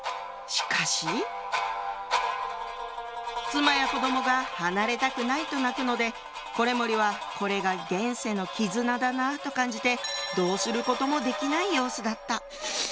しかし妻や子供が離れたくないと泣くので維盛はこれが現世の絆だなと感じてどうすることもできない様子だった。